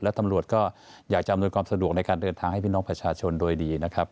และตำรวจก็อยากจะอำนวยความสะดวกในการเดินทางให้พี่น้องประชาชนโดยดีนะครับ